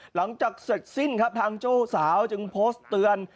หลังจากเสร็จสิ้นครับทางเจ้าสาวจึงโพสต์เตือน